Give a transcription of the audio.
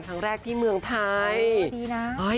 ครั้งแรกที่เมืองไทยดีนะ